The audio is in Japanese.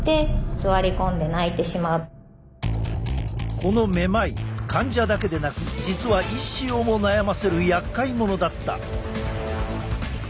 このめまい患者だけでなく実は医師をも悩ませるやっかい者だった！